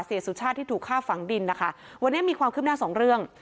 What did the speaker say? สุชาติที่ถูกฆ่าฝังดินนะคะวันนี้มีความคืบหน้าสองเรื่อง